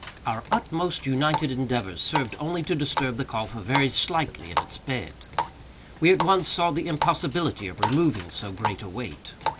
Our utmost united endeavors served only to disturb the coffer very slightly in its bed. We at once saw the impossibility of removing so great a weight.